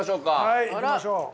はい行きましょう。